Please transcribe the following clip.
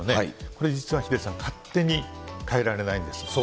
これ、実はヒデさん、勝手に変えられないんです。